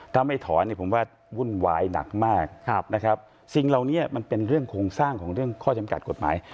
ถ้าไม่ถอนเนี่ยผมว่าวุ่นวายหนักมากนะครับสิ่งเหล่านี้มันเป็นเรื่องโครงสร้างของเรื่องข้อจำกัดกฎหมาย